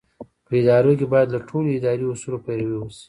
په ادارو کې باید له ټولو اداري اصولو پیروي وشي.